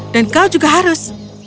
dan kau juga harus